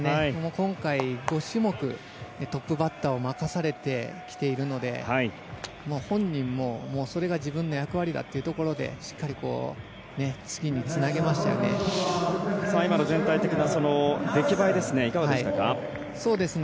今回５種目トップバッターを任されてきているので本人もそれが自分の役割だというところでしっかり次につなげましたよね。